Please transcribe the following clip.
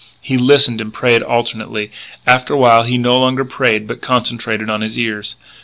He listened and prayed alternately. After a while he no longer prayed but concentrated on his ears.